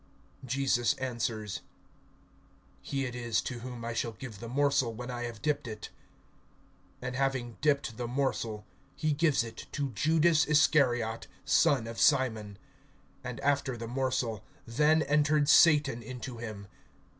(26)Jesus answers: He it is, to whom I shall give the morsel, when I have dipped it. And having dipped the morsel, he gives it to Judas Iscariot, son of Simon. (27)And after the morsel, then entered Satan into him.